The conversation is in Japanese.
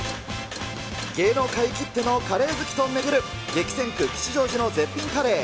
芸能界きってのカレー好きと巡る、激戦区、吉祥寺の絶品カレー。